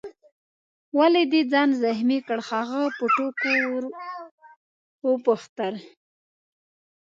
ولي دي ځان زخمي کړ؟ هغه په ټوکو وپوښتل.